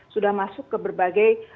sudah masuk ke berbagai